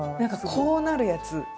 こうなるやつ。